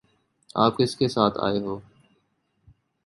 آپ کس کے ساتھ آئے ہو؟